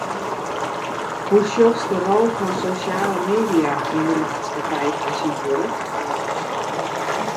Hoe sjochst de rol fan sosjale media yn de maatskippij fan tsjintwurdich?